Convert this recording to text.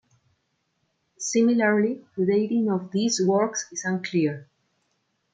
Similarly, the dating of these works is unclear.